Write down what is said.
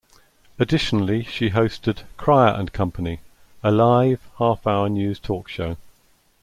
Additionally, she hosted "Crier and Company", a live, half-hour news talk show.